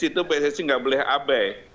itu pssi nggak boleh abai